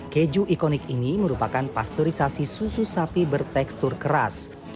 keju ikonik ini merupakan pasteurisasi susu sapi bertekstur keras